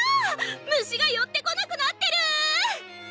虫が寄ってこなくなってる！